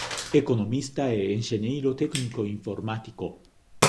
Economista e enxeñeiro técnico informático.